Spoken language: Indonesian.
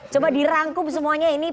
coba dirangkum semuanya ini